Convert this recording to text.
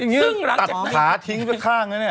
อย่างนี้ตัดขาทิ้งข้างด้วยเนี่ย